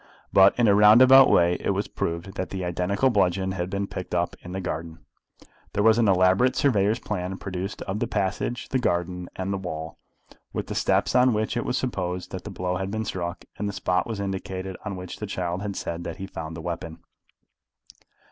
But in a roundabout way it was proved that the identical bludgeon had been picked up in the garden. There was an elaborate surveyor's plan produced of the passage, the garden, and the wall, with the steps on which it was supposed that the blow had been struck; and the spot was indicated on which the child had said that he had found the weapon.